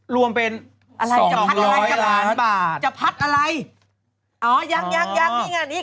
รวมเป็น๒๐๐ล้านบาท